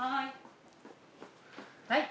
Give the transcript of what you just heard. はい。